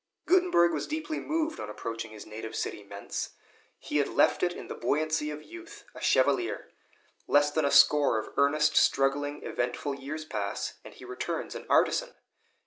Gutenberg was deeply moved on approaching his native city, Mentz. He had left it in the buoyancy of youth, a chevalier; less than a score of earnest, struggling, eventful years pass, and he returns an artisan.